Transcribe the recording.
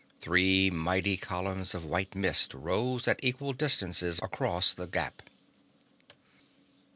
Three mighty columns of white mist rose at equal distances across the gap.